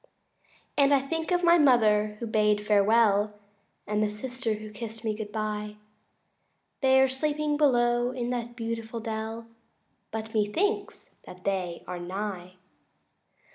III And I think of my mother who bade me farewell And the sister who kist me good bye They are sleeping below in that beautiful dell But methinks that again they are nigh.